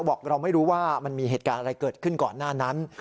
บอกเราไม่รู้ว่ามันมีเหตุการณ์อะไรเกิดขึ้นก่อนหน้านั้น